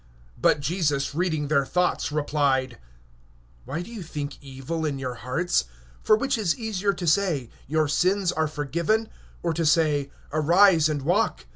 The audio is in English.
(4)And Jesus knowing their thoughts said: Wherefore think ye evil in your hearts? (5)For which is easier, to say: Thy sins are forgiven; or to say: Arise, and walk?